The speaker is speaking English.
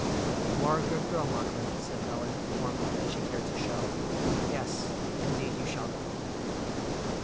"You are a good girl, Margaret," said Helen, more moved than she cared to show. "Yes, indeed, you shall go."